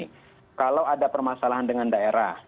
mestinya misalkan begini kalau ada permasalahan dengan daerah